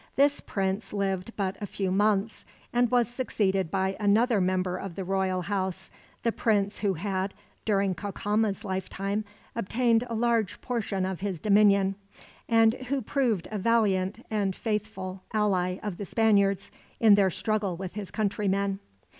This prince lived but a few months, and was succeeded by another member of the royal house the prince who had, during Cacama's lifetime, obtained a large portion of his dominion; and who proved a valiant and faithful ally of the Spaniards, in their struggle with his countrymen.